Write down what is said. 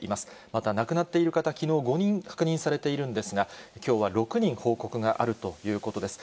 また、亡くなっている方、きのう５人確認されているんですが、きょうは６人報告があるということです。